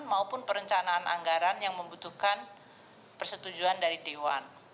maupun perencanaan anggaran yang membutuhkan persetujuan dari dewan